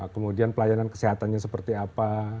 kemudian pelayanan kesehatannya seperti apa